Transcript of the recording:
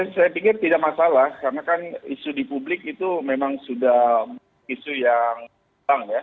saya pikir tidak masalah karena kan isu di publik itu memang sudah isu yang bang ya